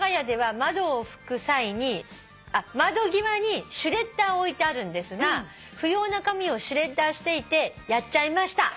「窓際にシュレッダーを置いてあるんですが不要な紙をシュレッダーしていてやっちゃいました」